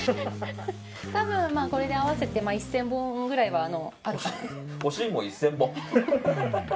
多分これで合わせて１０００本くらいは。